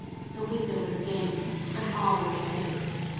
The window was gained, and all were saved.